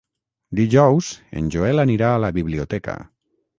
Dijous en Joel anirà a la biblioteca.